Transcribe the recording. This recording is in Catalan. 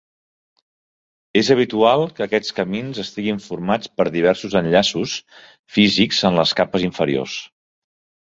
És habitual que aquests camins estiguin formats per diversos enllaços físics en les capes inferiors.